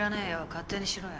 勝手にしろや。